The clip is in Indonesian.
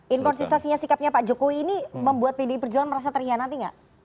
inkonsistasinya sikapnya pak jokowi ini membuat pd perjalanan merasa terhianati enggak